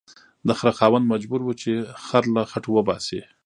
د خره خاوند مجبور و چې خر له خټو وباسي